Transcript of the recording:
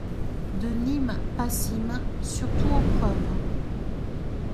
de Nîmes passim, surtout aux preuves.